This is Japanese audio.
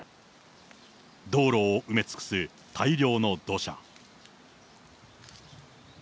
道路を埋め尽くす大量の土砂。